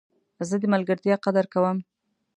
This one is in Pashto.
زه د ملګرتیا قدر کوم.